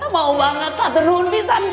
mau banget hatu numpisan ya ce